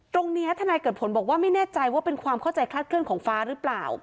ทนายเกิดผลบอกว่าไม่แน่ใจว่าเป็นความเข้าใจคลาดเคลื่อนของฟ้าหรือเปล่า